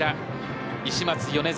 石松、米澤